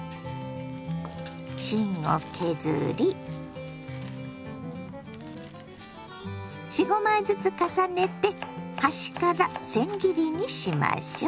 芯を削り４５枚ずつ重ねて端からせん切りにしましょ。